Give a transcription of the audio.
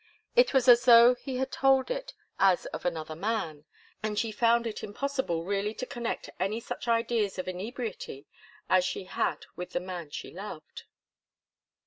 It was as though he had told it as of another man, and she found it impossible really to connect any such ideas of inebriety as she had with the man she loved.